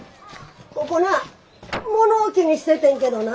ここなあ物置にしててんけどな。